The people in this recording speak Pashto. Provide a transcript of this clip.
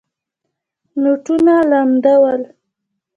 نوټونه لانده ول.